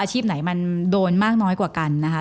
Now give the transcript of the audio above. ชีพไหนมันโดนมากน้อยกว่ากันนะคะ